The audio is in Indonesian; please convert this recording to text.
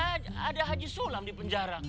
kan udah ada haji sulam di penjara